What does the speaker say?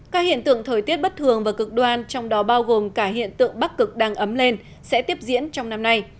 các hiện tượng thời tiết bất thường và cực đoan trong đó bao gồm cả hiện tượng bắc cực đang ấm lên sẽ tiếp diễn trong năm nay